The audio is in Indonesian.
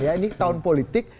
ini tahun politik